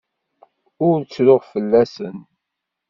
Ur ttruɣ fell-asen.